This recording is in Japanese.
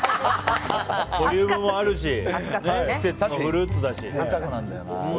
ボリュームもあるし季節のフルーツだし。